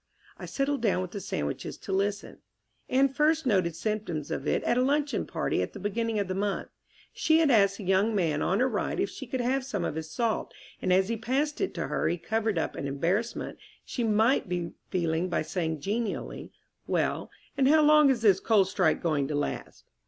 I settled down with the sandwiches to listen. Anne first noted symptoms of it at a luncheon party at the beginning of the month. She had asked the young man on her right if she could have some of his salt, and as he passed it to her he covered up any embarrassment she might be feeling by saying genially, "Well, and how long is this coal strike going to last?"